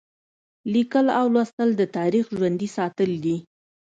لیکل او لوستل د تاریخ ژوندي ساتل دي.